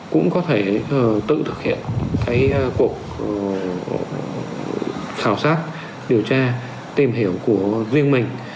cũng có thể tự thực hiện cái cuộc khảo sát điều tra tìm hiểu của riêng mình